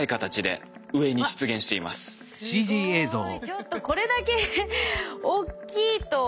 ちょっとこれだけおっきいと。